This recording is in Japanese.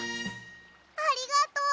ありがとう。